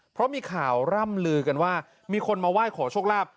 เพราะมีข่าวร่ำลือกันว่ามีคนมาไหว้ขอโชคลาภ